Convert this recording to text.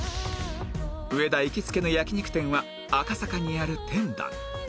上田行きつけの焼肉店は赤坂にある天壇